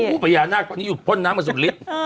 ผู้ประหญาณาตอนนี้จุดพ่นน้ำมา๑๐ลิตร